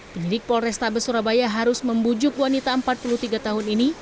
penyidik polrestabes surabaya harus membujuk wanita empat puluh tiga tahun ini